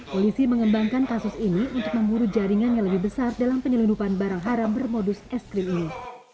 polisi mengembangkan kasus ini untuk memburu jaringan yang lebih besar dalam penyelundupan barang haram bermodus es krim ini